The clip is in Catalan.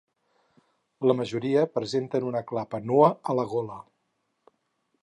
La majoria presenten una clapa nua a la gola.